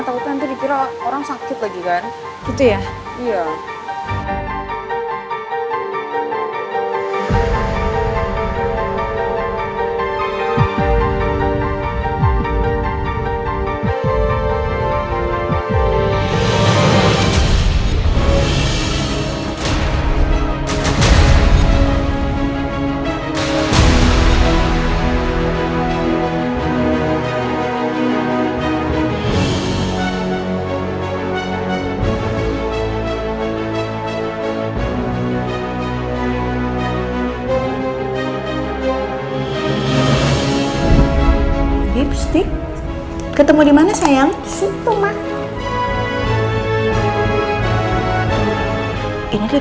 sampai jumpa di video selanjutnya